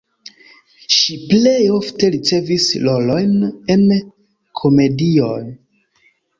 Ŝi plej ofte ricevis rolojn en komedioj.